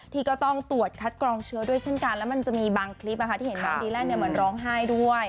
ที่ก็ต้องตรวจคัดกรองเชื้อด้วยเช่นกันแล้วมันจะมีบางคลิปที่เห็นน้องดีแลนด์เหมือนร้องไห้ด้วย